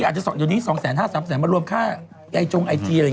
จริง